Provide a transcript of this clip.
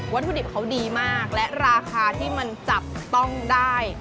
ถุดิบเขาดีมากและราคาที่มันจับต้องได้